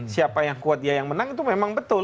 siapa yang kuat dia yang menang itu memang betul